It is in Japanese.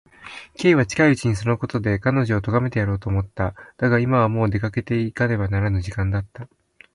Ｋ は近いうちにそのことで彼女をとがめてやろうと思った。だが、今はもう出かけていかねばならぬ時間だった。